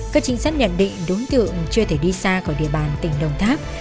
các trinh sát nhận định đối tượng chưa thể đi xa khỏi địa bàn tỉnh đồng tháp